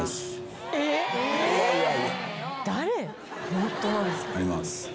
ホントなんですか？